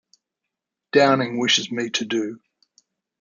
Downing wishes me to do.